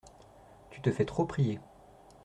Tu te fais trop prier.